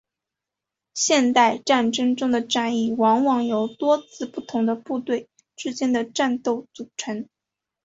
现代战争中的战役往往由多次不同的部队之间的战斗组成。